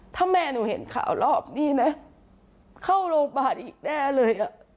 ถ้าแม่หนูเห็นข่าวรอบนี้นะเข้าโรงพยาบาลอีกแน่เลย